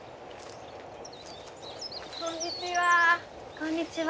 こんにちは。